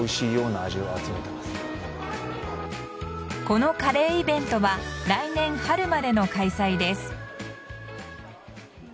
このカレーイベントは来年春までの開催です。